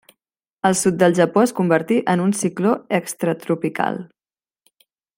Al sud del Japó es convertí en un cicló extratropical.